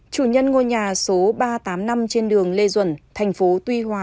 chủ nhân ngôi nhà số ba trăm tám mươi năm trên đường lê duẩn thành phố tuy hòa